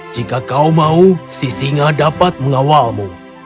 jika kau mau si singa dapat mengawalmu